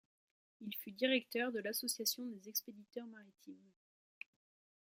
Il fut directeur de l'association des expéditeurs maritimes.